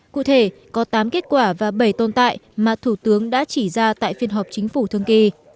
cụ thể có tám kết quả và bảy tồn tại mà thủ tướng đã chỉ ra tại phiên họp chính phủ thường kỳ